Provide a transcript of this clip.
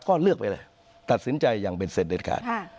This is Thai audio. ก็เลือกไปเลยตัดสินใจอย่างเป็นเสร็จเด็ดขาด